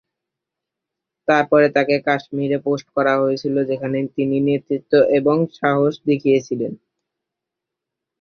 তারপরে তাকে কাশ্মীরে পোস্ট করা হয়েছিল যেখানে তিনি নেতৃত্ব এবং সাহস দেখিয়েছিলেন।